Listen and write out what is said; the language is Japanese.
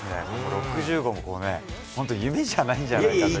６０号も本当、夢じゃないんじゃないかという。